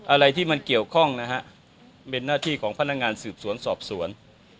อะไรที่มันเกี่ยวข้องนะฮะเป็นหน้าที่ของพนักงานสืบสวนสอบสวน